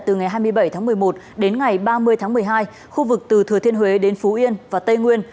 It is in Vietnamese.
từ ngày hai mươi bảy tháng một mươi một đến ngày ba mươi tháng một mươi hai khu vực từ thừa thiên huế đến phú yên và tây nguyên